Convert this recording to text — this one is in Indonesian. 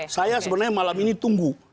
saya sebenarnya malam ini tunggu